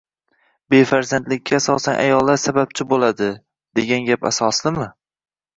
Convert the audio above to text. Befarzandlikka asosan ayollar sababchi bo‘ladi, degan gap asoslimi?